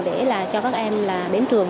để cho các em đến trường